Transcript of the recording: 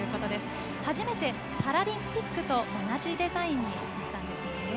初めてパラリンピックと同じデザインになったんですよね。